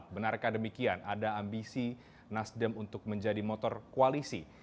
benarkah demikian ada ambisi nasdem untuk menjadi motor koalisi